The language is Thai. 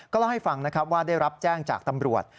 ก็เล่าให้ฟังว่าได้รับแจ้งจากตำรวจ